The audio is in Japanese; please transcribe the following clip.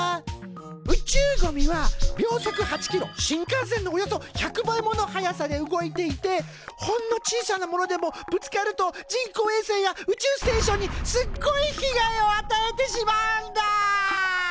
宇宙ゴミは秒速８キロ新幹線のおよそ１００倍もの速さで動いていてほんの小さなものでもぶつかると人工衛星や宇宙ステーションにすっごいひがいをあたえてしまうんだ！